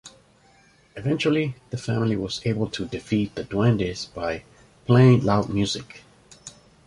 Eventually, the family was able to defeat the duendes by playing loud music.